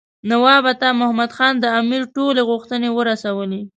نواب عطا محمد خان د امیر ټولې غوښتنې ورسولې.